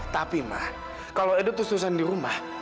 tapi ma kalau edo terus terusan di rumah